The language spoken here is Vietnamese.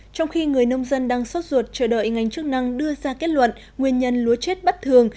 trong khi người nông dân đang sốt ruột chờ đợi ngành chức năng đưa ra kết luận nguyên nhân lúa chết bất thường